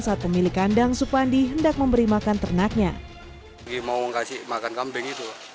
saat pemilik kandang supandi hendak memberi makan ternaknya mau ngasih makan kambing itu